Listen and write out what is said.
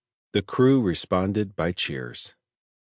The crew responded by cheers.